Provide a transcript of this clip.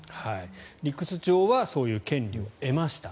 理屈上はそういう権利を得ました。